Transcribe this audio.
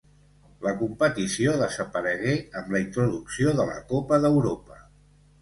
La competició desaparegué amb la introducció de la Copa d'Europa.